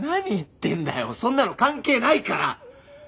そんなの関係ないから！